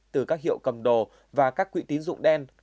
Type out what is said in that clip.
từ các hiệu cầm đồ và các quỹ tín dụng đen